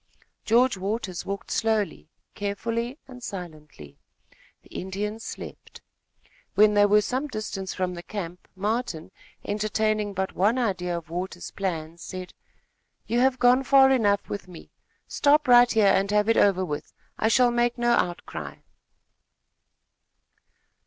George Waters walked slowly, carefully, and silently. The Indians slept. When they were some distance from the camp, Martin, entertaining but one idea of Waters' plan, said: "You have gone far enough with me. Stop right here and have it over with. I shall make no outcry."